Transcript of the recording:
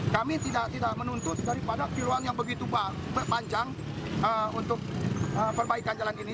kami tidak menuntut daripada peluang yang begitu panjang untuk perbaikan jalan ini